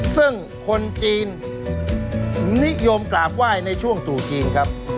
ซึ่งคนจีนนิยมกราบไหว้ในช่วงตรุษจีนครับ